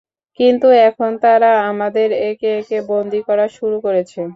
কিন্তু এখন তারা আমাদের একে একে বন্দি করা শুরু করেছে।